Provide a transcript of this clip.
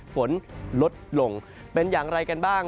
ฝนลดลงเป็นอย่างไรกันบ้าง